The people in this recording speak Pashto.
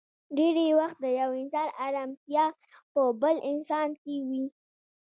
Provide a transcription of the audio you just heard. ډېری وخت د يو انسان ارمتيا په بل انسان کې وي.